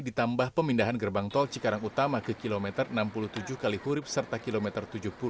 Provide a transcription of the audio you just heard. ditambah pemindahan gerbang tol cikarang utama ke kilometer enam puluh tujuh kalihurib serta kilometer tujuh puluh